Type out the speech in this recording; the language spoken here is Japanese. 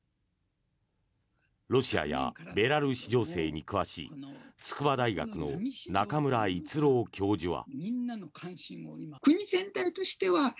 ロシアやベラルーシ情勢に詳しい筑波大学の中村逸郎教授は。